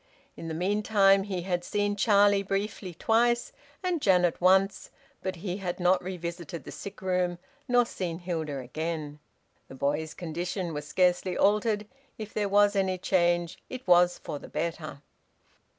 In the meantime he had seen Charlie briefly twice, and Janet once, but he had not revisited the sick room nor seen Hilda again. The boy's condition was scarcely altered; if there was any change, it was for the better.